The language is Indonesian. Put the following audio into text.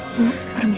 kami mau pulang